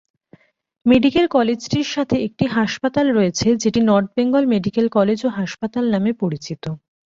Medical কলেজটির সাথে একটি হাসপাতাল রয়েছে যেটি নর্থ বেঙ্গল মেডিকেল কলেজ ও হাসপাতাল নামে পরিচিত।